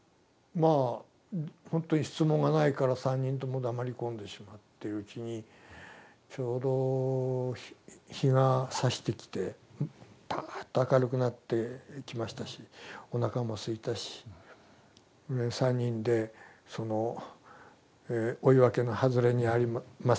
まあほんとに質問がないから３人とも黙り込んでしまっているうちにちょうど日がさしてきてパーッと明るくなってきましたしおなかもすいたし３人でその追分の外れにあります